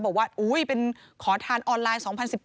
บอกว่าเป็นขอทานออนไลน์๒๐๑๘